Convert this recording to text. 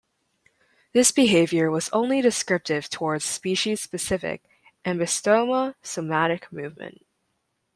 This behavior was only descriptive towards species-specific Ambystoma somatic movement.